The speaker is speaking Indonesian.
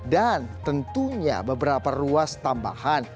dan tentunya beberapa ruas tambahan